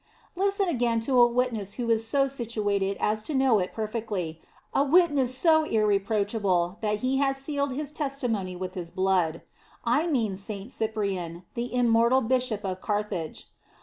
Listen ag ain to a witness who was so sit o uated as to know it perfectly, a witness so irreproachable that he has sealed his testi mony with his blood. I mean Saint Cyprian, the immortal Bishop of Carthage.